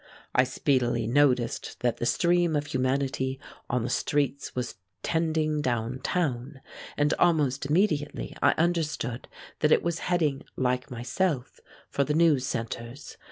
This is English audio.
I speedily noticed that the stream of humanity on the streets was tending down town, and almost immediately I understood that it was heading, like myself, for the news centers.